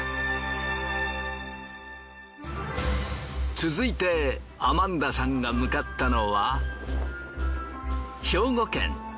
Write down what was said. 続いてアマンダさんが向かったのは。